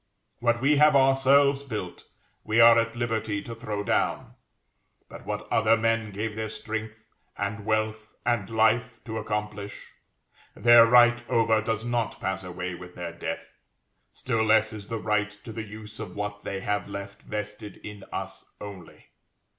What we have ourselves built, we are at liberty to throw down; but what other men gave their strength, and wealth, and life to accomplish, their right over does not pass away with their death; still less is the right to the use of what they have left vested in us only.